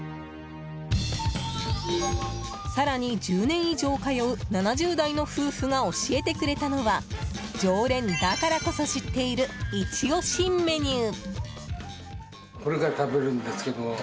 更に、１０年以上通う７０代の夫婦が教えてくれたのは常連だからこそ知っているイチ押しメニュー。